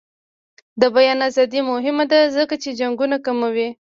د بیان ازادي مهمه ده ځکه چې جنګونه کموي.